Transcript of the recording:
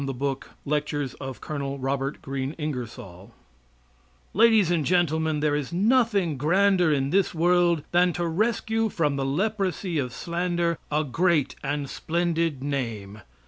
INGERSOLL'S LECTURE ON THE GREAT INFIDELS Ladies and Gentlemen: There is nothing grander in this world than to rescue from the leprosy of slander a great and splendid name.